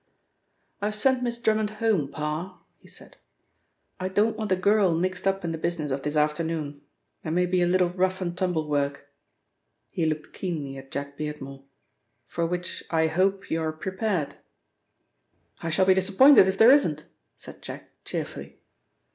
"I've sent Miss Drummond home, Parr," he said. "I don't want a girl mixed up in the business of this afternoon. There may be a little rough and tumble work." He looked keenly at Jack Beardmore. "For which I hope you are prepared." "I shall be disappointed if there isn't," said Jack cheerfully.